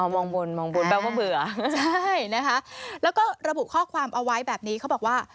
มองบนมองบนแปลว่าเบื่อใช่นะคะแล้วก็ระบุข้อความเอาไว้แบบนี้เขาบอกว่า